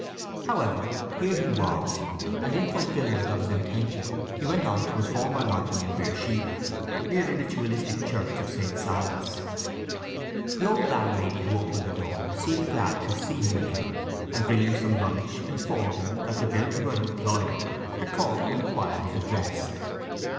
However, here he was; and in fulfilment of his intention he went on to his former lodging in "Beersheba," near the ritualistic church of St. Silas. The old landlady who opened the door seemed glad to see him again, and bringing some lunch informed him that the builder who had employed him had called to inquire his address.